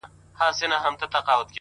څخه چي څه ووايم څنگه درته ووايم چي _